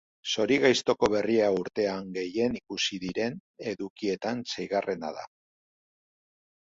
Zorigaiztoko berria urtean gehien ikusi diren edukietan seigarrena da.